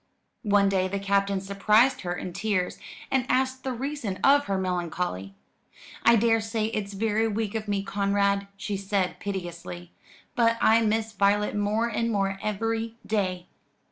One day the captain surprised her in tears, and asked the reason of her melancholy. "I daresay it's very weak of me, Conrad," she said piteously, "but I miss Violet more and more every day."